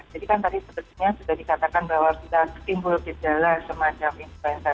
jadi kan tadi sebetulnya sudah dikatakan bahwa kita timbul gejala semacam influenza